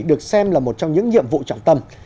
được xem là một trong những nhiệm vụ trọng tâm